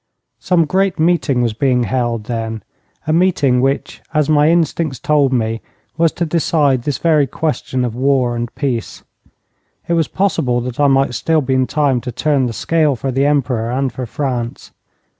Some great meeting was being held then a meeting which, as my instincts told me, was to decide this very question of war and peace. It was possible that I might still be in time to turn the scale for the Emperor and for France.